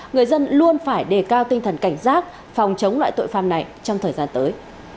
người dân luôn phải đề cao tinh thần cảnh giác phòng chống loại tội phạm này trong thời gian tới